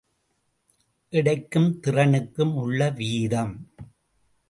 எடைக்கும் திறனுக்கும் உள்ள வீதம்.